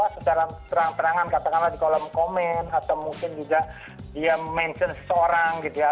secara terang terangan katakanlah di kolom komen atau mungkin juga dia mention seseorang gitu ya